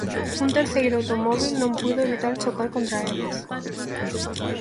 Un terceiro automóbil non puido evitar chocar contra eles.